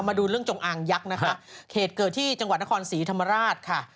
มาดูเรื่องจงอางยักษ์นะคะเหตุเกิดที่จังหวัดนครศรีธรรมราชค่ะ